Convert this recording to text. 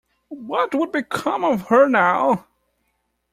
What would become of her now?